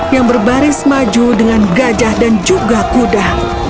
yang berbaris maju dengan gajah dan juga kuda